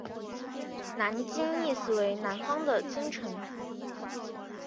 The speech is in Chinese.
南京意思为南方的京城。